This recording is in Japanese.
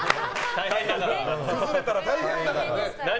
崩れたら大変だから。